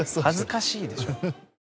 恥ずかしいでしょ。